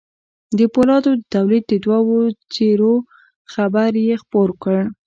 د پولادو د توليد د دوو څېرو خبر يې خپور کړ.